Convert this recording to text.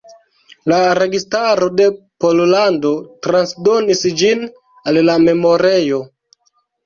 La registaro de Pollando transdonis ĝin al la memorejo.